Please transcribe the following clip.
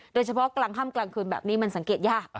โดยเฉพาะกลางค่ำกลางคืนแบบนี้มันสังเกตยาก